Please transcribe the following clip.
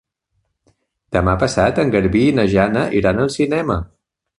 Demà passat en Garbí i na Jana iran al cinema.